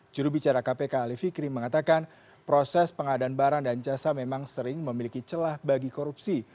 jurubicara kpk ali fikri mengatakan proses pengadaan barang dan jasa memang sering memiliki celah bagi korupsi